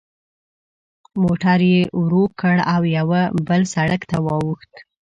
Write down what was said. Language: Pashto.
موټر یې ورو کړ او یوه بل سړک ته واوښت.